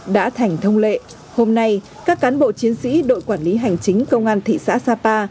đã thành thông lệ hôm nay các cán bộ chiến sĩ đội quản lý hành chính công an thị xã sapa